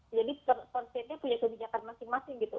jadi per state punya kebijakan masing masing gitu